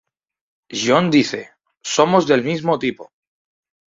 John dice: "Somos del mismo tipo".